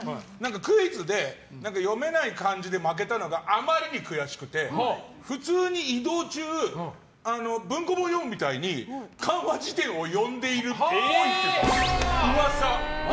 クイズで読めない漢字で負けたのがあまりに悔しくて普通に移動中文庫本読むみたいに漢和辞典を読んでいるっぽい。っていう噂。